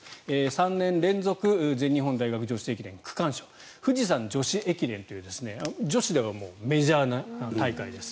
３年連続全日本大学女子駅伝区間賞富士山女子駅伝という女子ではメジャーな大会です。